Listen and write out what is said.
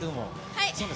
はい。